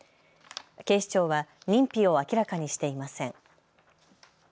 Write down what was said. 警視庁は認否を明らかにしていません。